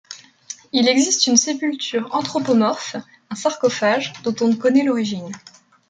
Il existe une sépulture anthropomorphe, un sarcophage, dont on ne connaît l'origine.